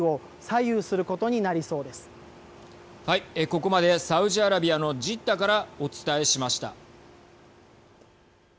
ここまでサウジアラビアのジッダからお伝えしました。